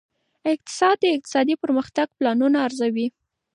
اقتصاد د اقتصادي پرمختګ پلانونه ارزوي.